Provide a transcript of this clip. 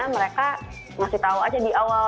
mereka masih tahu aja di awal